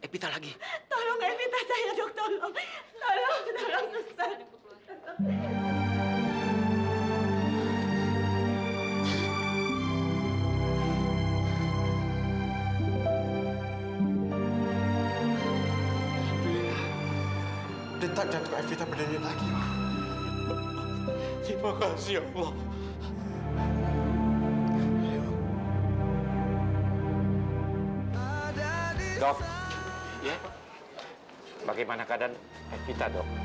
bagaimana keadaan epita dok